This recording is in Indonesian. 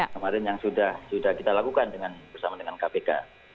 kemarin yang sudah kita lakukan bersama dengan kpk